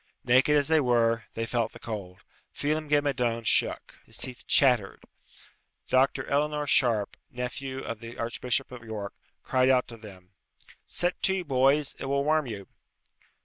Naked as they were, they felt the cold. Phelem ghe Madone shook. His teeth chattered. Dr. Eleanor Sharpe, nephew of the Archbishop of York, cried out to them, "Set to, boys; it will warm you."